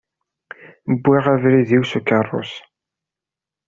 Wwiɣ abrid-iw s ukerrus.